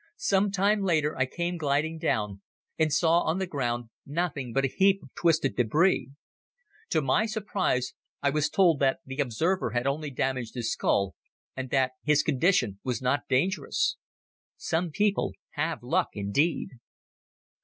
Some time later I came gliding down and saw on the ground nothing but a heap of twisted debris. To my surprise I was told that the observer had only damaged his skull and that his condition was not dangerous. Some people have luck indeed.